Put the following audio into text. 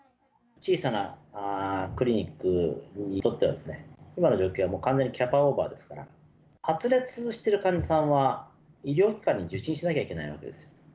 小さなクリニックにとっては、今の状況は完全にキャパオーバーですから、発熱してる患者さんは、医療機関で受診しなければいけないわけです。